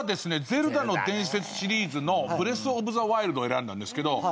『ゼルダの伝説』シリーズの『ブレスオブザワイルド』を選んだんですけど。